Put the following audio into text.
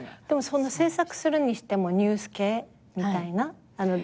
でも制作するにしてもニュース系みたいな？